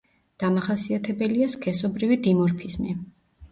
დამახასიათებელია სქესობრივი დიმორფიზმი.